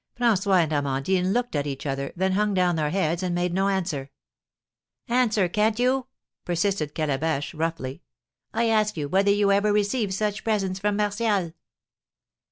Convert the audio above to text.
François and Amandine looked at each other, then hung down their heads, and made no answer. "Answer, can't you?" persisted Calabash, roughly. "I ask you whether you ever received such presents from Martial?"